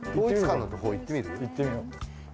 行ってみよう。